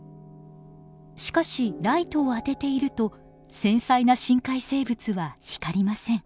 しかしライトを当てていると繊細な深海生物は光りません。